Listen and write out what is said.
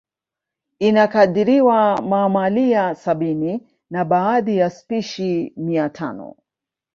Inakadiriwa mamalia sabini na baadhi ya spishi mia tano